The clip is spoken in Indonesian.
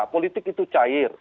politik itu cair